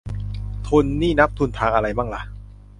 ทุนนี่นับทุนทางอะไรมั่งล่ะ